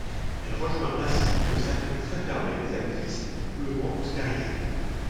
Elle rejoint ainsi le cercle très fermé des actrices doublement nommée et oscarisées.